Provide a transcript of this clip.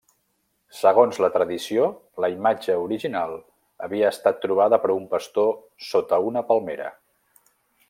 Segons la tradició la imatge original havia estat trobada per un pastor sota una palmera.